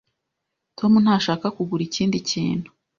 Tom ntashaka kugura ikindi kintu.